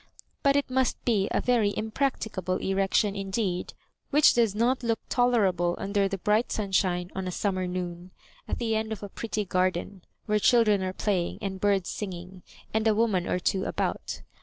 But it must be a very impracticable erection indeed which does not look toleiable under the bright sunshine on a summer noon, at the end' of a pretty garden where children are playing and birds sing ing, and a woman of two about.